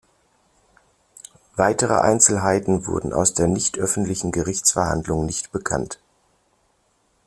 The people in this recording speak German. Weitere Einzelheiten wurden aus der nicht öffentlichen Gerichtsverhandlung nicht bekannt.